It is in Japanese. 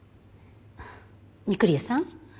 御厨さん